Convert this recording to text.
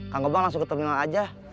kang gebang langsung ke terminal aja